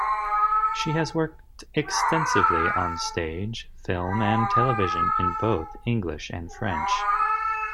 She has worked extensively on stage, film, and television in both English and French.